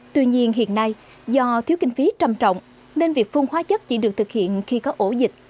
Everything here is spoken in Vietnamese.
tuy nhiên hiện nay do thiếu kinh phí trầm trọng nên việc phun hóa chất chỉ được thực hiện khi có ổ dịch